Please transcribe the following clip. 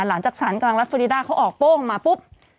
หลังจากสารกลางรัฐฟอริดาเขาออกโป้งมาปุ๊บ